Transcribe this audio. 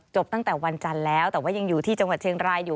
ตั้งแต่วันจันทร์แล้วแต่ว่ายังอยู่ที่จังหวัดเชียงรายอยู่